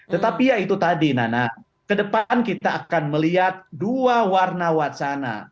tetapi ya itu tadi nana ke depan kita akan melihat dua warna wacana